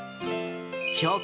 標高